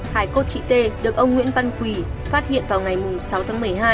hải cốt chị t được ông nguyễn văn quỳ phát hiện vào ngày sáu tháng một mươi hai